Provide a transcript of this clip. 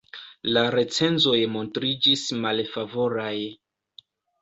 La recenzoj montriĝis malfavoraj.